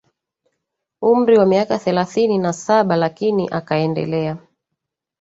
Umri wa miaka thelathini na saba lakini akaendelea